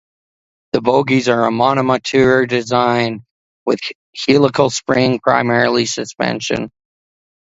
The bogies are a "monomoteur" design, with helical spring primarily suspension.